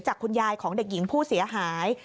คุณยายของเด็กหญิงผู้เสียหาย